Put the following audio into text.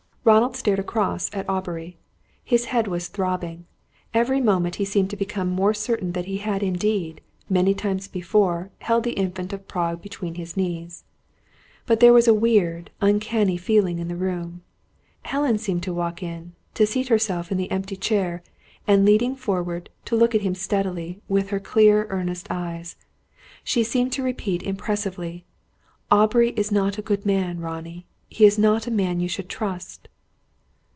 Ronald stared across at Aubrey. His head was throbbing. Every moment he seemed to become more certain that he had indeed, many times before, held the Infant of Prague between his knees. But there was a weird, uncanny feeling in the room. Helen seemed to walk in, to seat herself in the empty chair; and, leaning forward, to look at him steadily, with her clear earnest eyes. She seemed to repeat impressively: "Aubrey is not a good man, Ronnie. He is not a man you should trust."